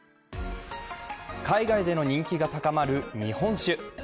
海外での人気が高まる日本酒。